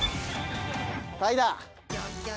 タイだ。